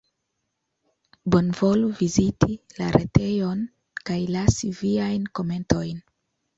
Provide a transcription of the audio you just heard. Bonvolu viziti la retejon kaj lasi viajn komentojn!